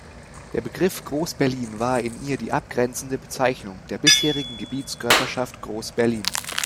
Der Begriff "Groß-Berlin" war in ihr die abgrenzende Bezeichnung „der bisherigen Gebietskörperschaft Groß-Berlin“.